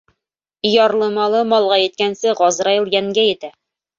Ярлы малы малға еткәнсе, ғазраил йәнгә етә.